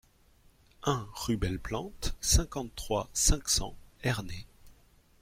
un rue Belle-Plante, cinquante-trois, cinq cents, Ernée